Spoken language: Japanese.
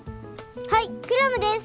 はいクラムです。